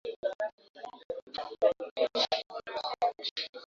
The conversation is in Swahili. league kuu ya kenya premier league ilivyokuwa ikiendelea msimu wote tangu